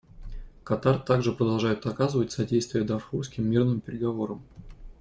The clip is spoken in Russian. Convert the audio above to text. Катар также продолжает оказывать содействие дарфурским мирным переговорам.